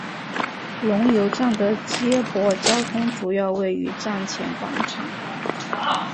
龙游站的接驳交通主要位于站前广场。